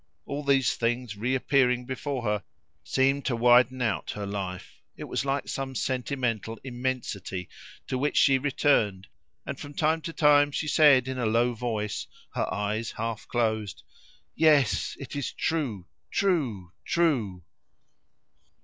All these things reappearing before her seemed to widen out her life; it was like some sentimental immensity to which she returned; and from time to time she said in a low voice, her eyes half closed "Yes, it is true true true!"